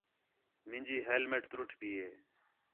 مینجی ہیلمٹ تُرُٹ پئی ہے